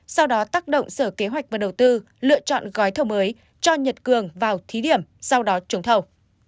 sau đó tác động sở kế hoạch và đầu tư lựa chọn gói thầu mới cho nhật cường vào thí điểm sau đó trúng thầu